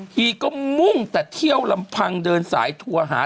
ีก็มุ่งแต่เที่ยวลำพังเดินสายทัวร์หา